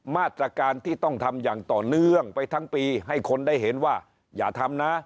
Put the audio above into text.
มาตรการที่ต้องทำอย่างต่อเนื่องไปทั้งปีให้คนได้เห็นว่าอย่าทำนะ